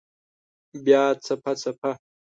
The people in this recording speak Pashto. بیا څپه، څپه